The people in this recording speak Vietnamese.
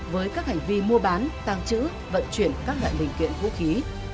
với các hành vi mua bán tăng trữ vận chuyển các loại linh kiện vũ khí